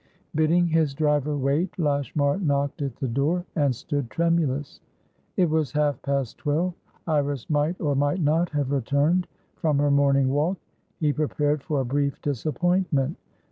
Bidding his driver wait, Lashmar knocked at the door, and stood tremulous. It was half past twelve; Iris might or might not have returned from her morning walk; he prepared for a brief disappointment.